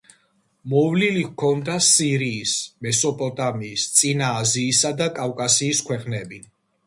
მოვლილი ჰქონდა სირიის, მესოპოტამიის, წინა აზიისა და კავკასიის ქვეყნები.